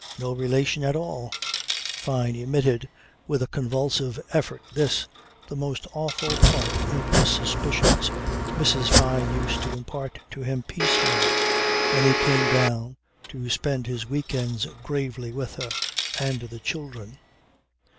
No relation at all" Fyne emitted with a convulsive effort this, the most awful part of the suspicions Mrs. Fyne used to impart to him piecemeal when he came down to spend his week ends gravely with her and the children.